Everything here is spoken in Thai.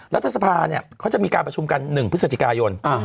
รัฐสภาเนี่ยเขาจะมีการประชุมกันหนึ่งพฤศจิกายนอ่าฮะ